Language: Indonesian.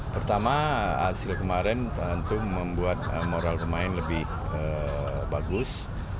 pertama hasil kemarin tentu membuat moral pemain lebih bagus